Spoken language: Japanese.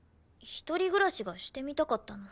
一人暮らしがしてみたかったの。